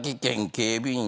警備員